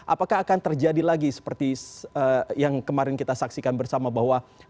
apakah akan terjadi lagi seperti yang kemarin kita saksikan bersama bahwa